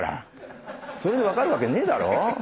「それで分かるわけねえだろ